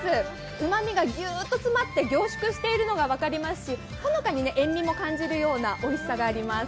うまみがギューっと詰まって凝縮しているのが分かりますし、ほのかに塩みも感じるようなおいしさがあります。